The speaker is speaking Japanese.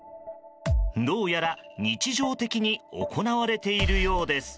どうやら、日常的に行われているようです。